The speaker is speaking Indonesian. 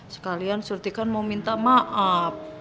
sekalian surti kan mau minta maaf